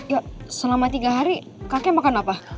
yuk selama tiga hari kakek makan apa